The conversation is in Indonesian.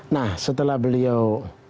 nah setelah beliau